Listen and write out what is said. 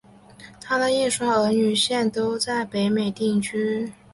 她的一双儿女现都在北美定居。